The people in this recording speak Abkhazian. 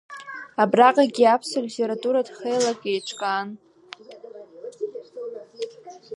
Абраҟагьы аԥсуа литературатә хеилак еиҿкаан.